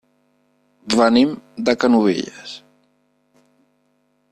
Venim de Canovelles.